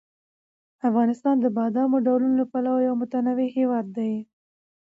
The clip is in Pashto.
افغانستان د بادامو د ډولونو له پلوه یو متنوع هېواد دی.